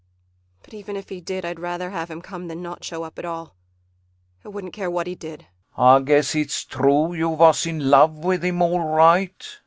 But even if he did, I'd rather have him come than not show up at all. I wouldn't care what he did. CHRIS Ay guess it's true you vas in love with him all right.